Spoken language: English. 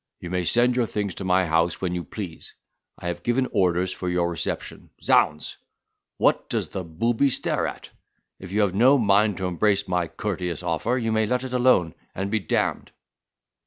You may send your things to my house when you please. I have given orders for your reception. Zounds! What does the booby stare at? If you have no mind to embrace my courteous offer, you may let it alone, and be d—d."